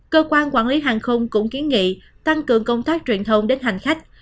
cơ quan quản lý hàng không cũng kiến nghị tăng cường công tác truyền thông đến hành khách